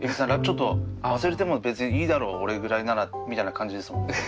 ちょっと忘れても別にいいだろう俺ぐらいならみたいな感じですもんね。